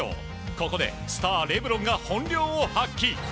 ここでスターレブロンが本領を発揮。